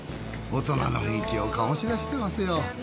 大人の雰囲気をかもし出してますよ。